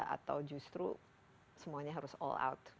atau justru semuanya harus all out